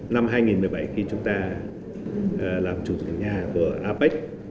năm hai nghìn một mươi bảy khi chúng ta làm chủ nhà của apec